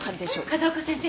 風丘先生